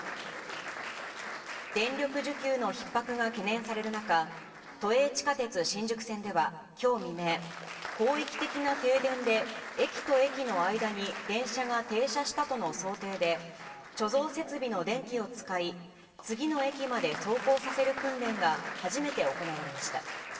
電力需給のひっ迫が懸念される中、都営地下鉄新宿線ではきょう未明、広域的な停電で、駅と駅の間に電車が停車したとの想定で、貯蔵設備の電気を使い、次の駅まで走行させる訓練が初めて行われました。